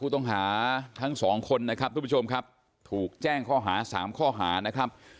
ต้องหาทั้งสองคนนะครับทุกผู้ชมครับถูกแจ้งข้อหาสามข้อหานะครับ